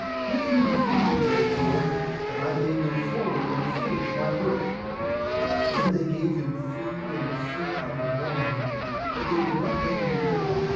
Give me food, therefore, that I may go forward and finish my work.' Then they gave him food, and fruit, and wine; but they would not let him go.